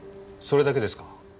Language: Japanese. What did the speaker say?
それだけですか？